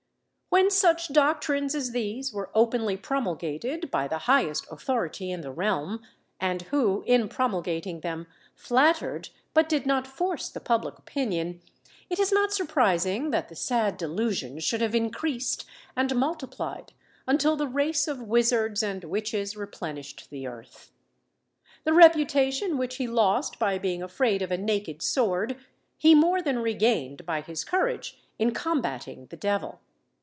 ] When such doctrines as these were openly promulgated by the highest authority in the realm, and who, in promulgating them, flattered, but did not force the public opinion, it is not surprising that the sad delusion should have increased and multiplied until the race of wizards and witches replenished the earth. The reputation which he lost by being afraid of a naked sword, he more than regained by his courage in combating the devil.